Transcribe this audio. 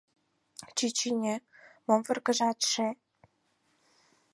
— Чӱчӱньӧ, мом варгыжатше?